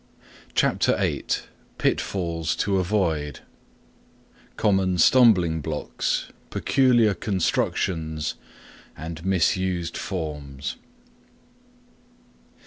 CHAPTER VIII PITFALLS TO AVOID Common Stumbling Blocks Peculiar Constructions Misused Forms.